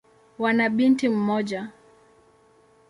Wana binti mmoja.